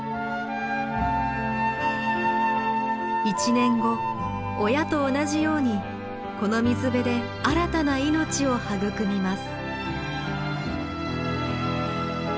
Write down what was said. １年後親と同じようにこの水辺で新たな命を育みます。